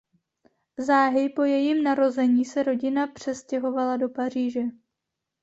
Záhy po jejím narození se rodina přestěhovala do Paříže.